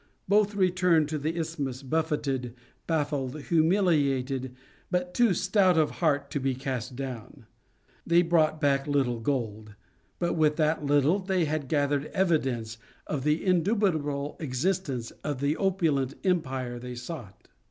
Both returned to the isthmus buffeted, baffled, humiliated, but too stout of heart to be cast down. They brought back but little gold, but with that little they had gathered evidence of the indubitable existence of the opulent empire they sought.